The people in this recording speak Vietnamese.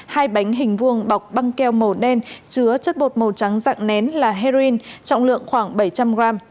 hai bánh hình vuông bọc băng keo màu đen chứa chất bột màu trắng dạng nén là heroin trọng lượng khoảng bảy trăm linh gram